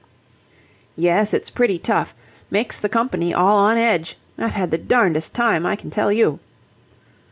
"Yes, it's pretty tough. Makes the company all on edge. I've had the darndest time, I can tell you."